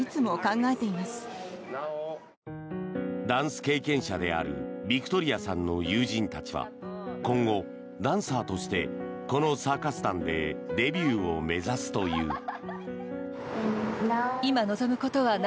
ダンス経験者であるヴィクトリアさんの友人たちは今後、ダンサーとしてこのサーカス団でデビューを目指すという。